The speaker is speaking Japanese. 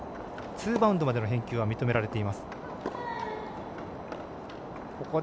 ツーバウンドまでの返球が認められています。